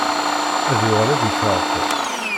Ad yuɣal ad itεeqqel.